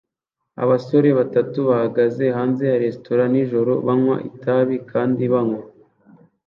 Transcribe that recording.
Abasore batatu bahagaze hanze ya resitora nijoro banywa itabi kandi banywa